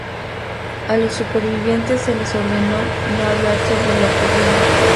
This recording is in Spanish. A los supervivientes se les ordenó no hablar sobre lo ocurrido.